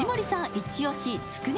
イチオシつくね